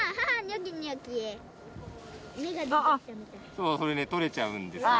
そうそれねとれちゃうんですよ。